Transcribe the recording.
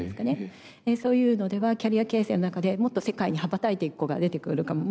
そういうのではキャリア形成の中でもっと世界に羽ばたいていく子が出てくるかも。